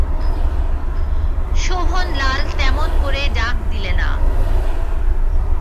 শোভনলাল তেমন করে ডাক দিলে না।